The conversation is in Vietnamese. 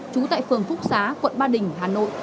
trú tại phường phúc xá quận ba đình hà nội